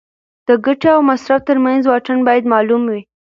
د ګټې او مصرف ترمنځ واټن باید معلوم وي.